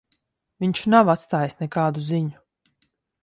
Viņš nav atstājis nekādu ziņu.